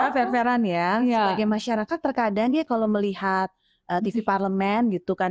sebagai masyarakat terkadang ya kalau melihat tv parlemen gitu kan